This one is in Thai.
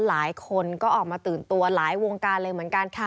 หลายคนก็ออกมาตื่นตัวหลายวงการเลยเหมือนกัน